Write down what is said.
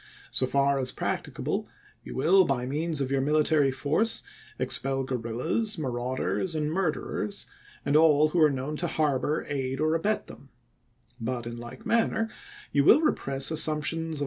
So far as practicable, you will, by means of your Lincoln to military force, expel guerrillas, marauders, and murderers, Oct. 1, 1863. and all who are known to harbor, aid, or abet them, voi^xxii., But, in like manner, you will repress assumptions of pp.'